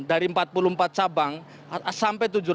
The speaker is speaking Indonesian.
dari empat puluh empat cabang sampai tujuh ratus